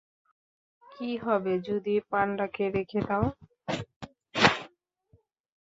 কী হবে যদি পান্ডাকে রেখে দাও?